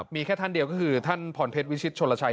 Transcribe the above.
มีแค่ท่านเดียวก็คือท่านพรเพชรวิชิตชนลชัย